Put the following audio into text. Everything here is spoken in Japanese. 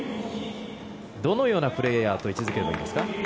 どのようなプレーヤーと位置付ければいいですか？